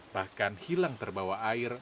bahkan hilang terbawa air